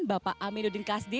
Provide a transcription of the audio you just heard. bapak aminuddin kasdi